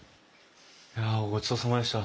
いやごちそうさまでした。